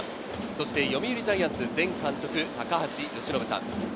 そして読売ジャイアンツ前監督・高橋由伸さん。